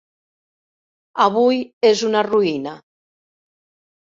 Avui és una ruïna.